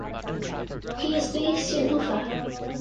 He is based in Ufa.